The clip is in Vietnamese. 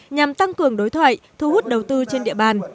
nhằm tăng cường đối thoại thu hút đầu tư trên địa bàn